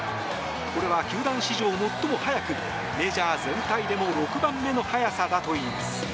これは球団史上最も速くメジャー全体でも６番目の早さだといいます。